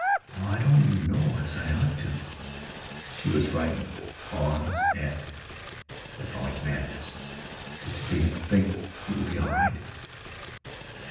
"Oh, I don't know as I ought to——" She was frightened, awed at Bacchic madness. "D do you think it would be all right?"